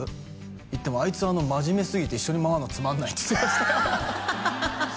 行ってもあいつは真面目すぎて一緒に回んのつまんないってハハハハハハ